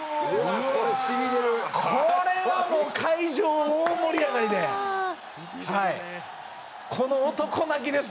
これはもう会場、大盛り上がりで。